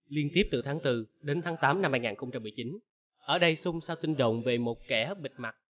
liên tiếp từ tháng bốn đến tháng tám năm hai nghìn một mươi chín ở đây sung sao tin đồn về một kẻ hấp bịt mặt